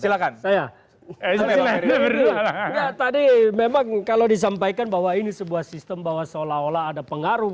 silakan saya ya tadi memang kalau disampaikan bahwa ini sebuah sistem bahwa seolah olah ada pengaruh